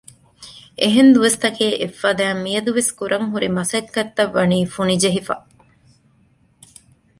އެހެން ދުވަސް ތަކޭ އެއްފަދައިން މިއަދުވެސް ކުރަންހުރި މަސައްކަތްތައް ވަނީ ފުނި ޖެހިފަ